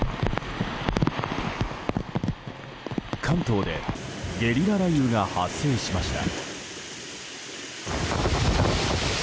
関東でゲリラ雷雨が発生しました。